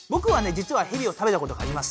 じつはヘビをたべたことがあります。